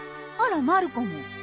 あらまる子も。